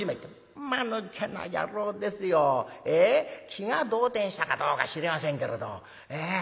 気が動転したかどうか知りませんけれどもええ。